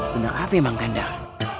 benar apa mang kandang